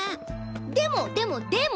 でもでもでも！